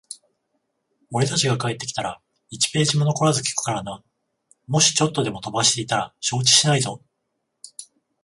俺たちが帰ってきたら、一ページ残らず聞くからな。もしちょっとでも飛ばしていたら承知しないぞ。